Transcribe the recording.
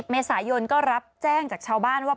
เมษายนก็รับแจ้งจากชาวบ้านว่า